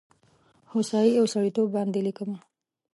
هوسايي او سړیتوب باندې لیکمه